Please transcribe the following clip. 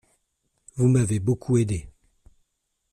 Vous m’avez beaucoup aidé.